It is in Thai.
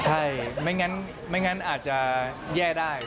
ใช่ไม่งั้นอาจจะแย่ได้